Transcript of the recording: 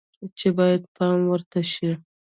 چې باید پام ورته شي